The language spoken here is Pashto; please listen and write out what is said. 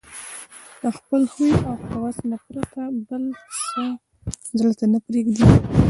له خپل هوى او هوس نه پرته بل څه زړه ته نه پرېږدي